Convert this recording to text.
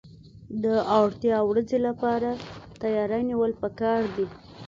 د اړتیا ورځې لپاره تیاری نیول پکار دي.